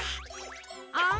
あん？